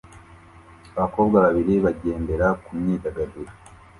Abakobwa babiri bagendera kumyidagaduro